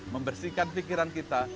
membersihkan pikiran kita